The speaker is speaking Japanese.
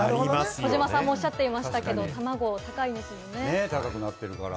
児嶋さんもおっしゃっていましたけれども、たまご高いですよね。